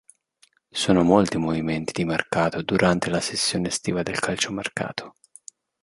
Sono molti i movimenti di mercato durante la sessione estiva del calciomercato.